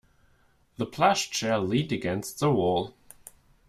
The plush chair leaned against the wall.